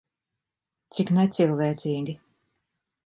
Cik necilvēcīgi.